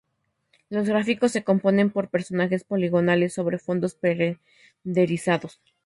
Los gráficos se componen por personajes poligonales sobre fondos pre-renderizados.